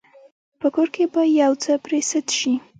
په کور کې به يو څه پرې سد شي.